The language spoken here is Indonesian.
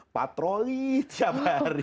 patroli tiap hari